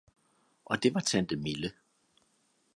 Og det var tante Mille.